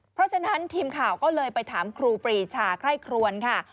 เพราะฉะนั้นทีมข่าวก็เลยไปถามครูปรีชาไคร่ครวนค่ะ